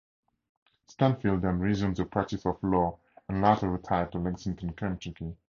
Stanfill then resumed the practice of law and later retired to Lexington, Kentucky.